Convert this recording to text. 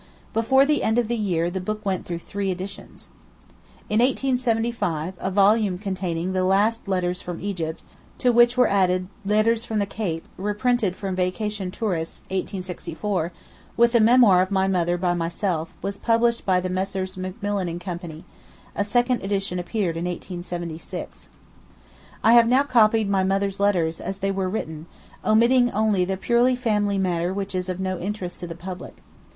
Before the end of the year the book went through three editions. In 1875 a volume containing the 'Last Letters from Egypt,' to which were added 'Letters from the Cape,' reprinted from 'Vacation Tourists' (1864), with a Memoir of my mother by myself, was published by Messrs. Macmillan and Co. A second edition appeared in 1876. I have now copied my mother's letters as they were written, omitting only the purely family matter which is of no interest to the public.